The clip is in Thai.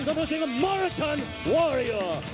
วัสินชัยเสมอกับยุทธพรกับคว้างเงินละวันฮีโร่๕๐๐๐บาท